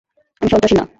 আমি সন্ত্রাসী না।